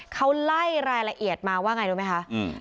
เขาไล่รายละเอียดมาว่าไงรู้ไหมคะ